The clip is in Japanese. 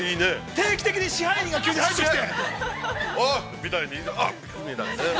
◆定期的に支配人が急に入ってきて。